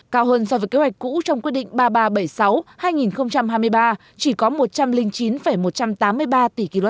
cao hơn so với kế hoạch cũ trong quyết định ba nghìn ba trăm bảy mươi sáu hai nghìn hai mươi ba chỉ có một trăm linh chín một trăm tám mươi ba tỷ kwh